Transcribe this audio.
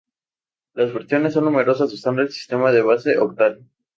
Las versiones son numeradas usando el sistema de base octal.